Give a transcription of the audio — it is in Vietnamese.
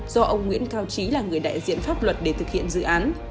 do ông nguyễn cao trí là người đại diện pháp luật để thực hiện dự án